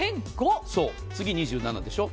次、２７でしょう。